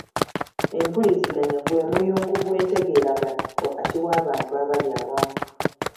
Empuliziganya gwe muyungo gw'entegeeragana wakati w'abantu abali awamu.